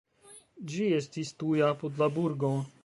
Ĝi estis tuj apud la burgo.